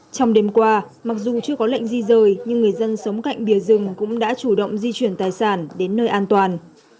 trong đêm qua mặc dù chưa có lệnh di rời nhưng người dân sống cạnh bìa rừng cũng đã chủ động di chuyển tài sản đến nơi an toàn